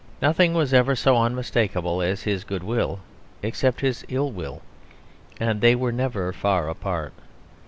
Nothing was ever so unmistakable as his good will, except his ill will; and they were never far apart.